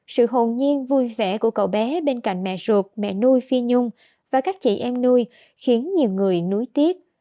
sự hồn nhiên vui vẻ của cậu bé bên cạnh mẹ ruột mẹ nuôi phi nhung và các chị em nuôi khiến nhiều người nối tiếp